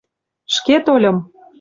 — Шке тольым.